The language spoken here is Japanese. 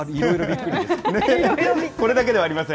これだけではありません。